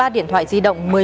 một mươi ba điện thoại di động